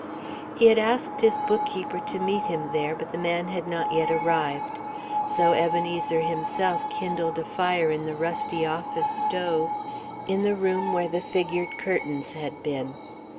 He had asked his bookkeeper to meet him there, but the man had not yet arrived. So Ebenezer himself kindled a fire in the rusty office stove, in the room where the figured curtains had been.